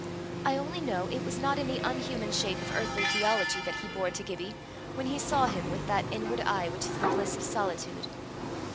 I only know it was not any unhuman shape of earthly theology that he bore to Gibbie, when he saw him with "that inward eye, which is the bliss of solitude."